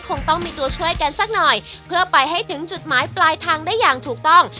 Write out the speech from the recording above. คงต้องมีตัวช่วยกันสักหน่อยเพื่อไปให้ถึงจุดหมายปลายทางได้อย่างถูกต้อง